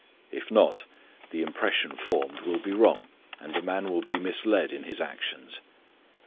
If not, the impression formed will be wrong, and a man will be misled in his actions.